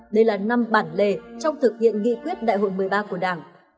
đây là năm bản lề trong thực hiện nghị quyết đại hội một mươi ba của đảng